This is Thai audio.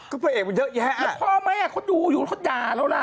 ก็พระเอกมันเยอะแยะแล้วพ่อแม่เขาดูอยู่เขาด่าแล้วล่ะ